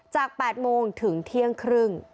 จาก๘โมงถึงเที่ยงครึ่ง